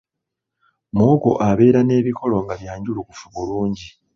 Muwogo abeera n’ebikoola nga byanjulukufu bulungi.